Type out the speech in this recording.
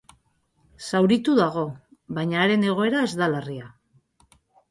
Zauritu dago, baina haren egoera ez da larria.